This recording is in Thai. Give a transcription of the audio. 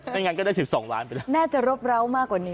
ไม่งั้นก็ได้๑๒๐๐๐๐๐๐ไปแล้วแน่จะรบเล่ามากกว่านี้